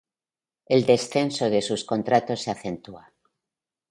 El descenso de sus contratos se acentúa.